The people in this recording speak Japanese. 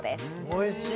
おいしい